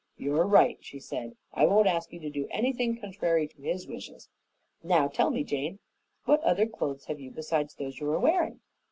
"You are right," she said. "I won't ask you to do anything contrary to his wishes. Now tell me, Jane, what other clothes have you besides those you are wearing?"